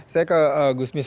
saya ke gusmis